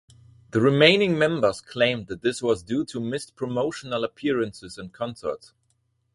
The remaining members claimed that this was due to missed promotional appearances and concerts.